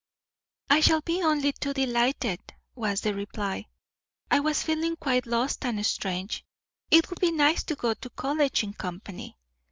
"I shall be only too delighted," was the reply. "I was feeling quite lost and strange. It would be nice to go to college in company.